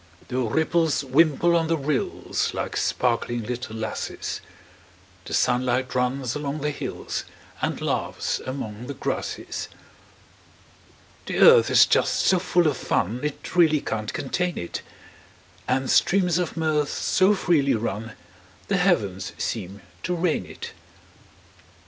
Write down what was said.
The ripples wimple on the rills, Like sparkling little lasses; The sunlight runs along the hills, And laughs among the grasses. The earth is just so full of fun It really can't contain it; And streams of mirth so freely run The heavens seem to rain it.